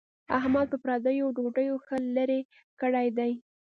احمد په پردیو ډوډیو ښه لری کړی دی.